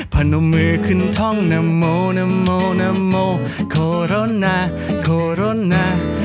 พันอมมือขึ้นท่องนาโมนาโมนาโมโคโรนาโคโรนา